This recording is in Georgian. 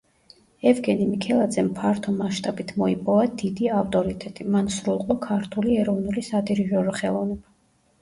ევგენი მიქელაძემ ფართო მასშტაბით მოიპოვა დიდი ავტორიტეტი, მან სრულყო ქართული ეროვნული სადირიჟორო ხელოვნება.